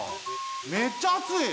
めっちゃあつい！